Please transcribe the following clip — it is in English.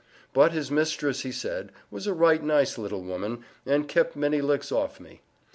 But his mistress, he said, was a "right nice little woman, and kept many licks off me."